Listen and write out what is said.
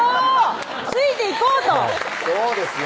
ついていこうとはいそうですよ